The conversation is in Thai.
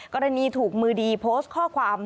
กรณีถูกมือดีโพสต์ข้อความ